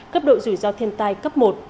cấp độ rủi ro thiên tai cấp một